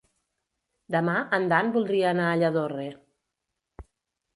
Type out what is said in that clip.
Demà en Dan voldria anar a Lladorre.